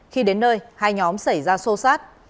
khi đến nơi hai nhóm xảy ra sâu sát